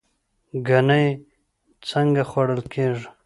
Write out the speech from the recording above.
ګنی څنګه خوړل کیږي؟